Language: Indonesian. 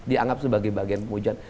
dianggap sebagai bagian penghujuan